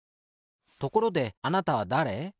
ところであなたはだれ？